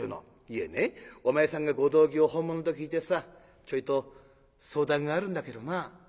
「いえねお前さんがご同業を本物と聞いてさちょいと相談があるんだけどな」。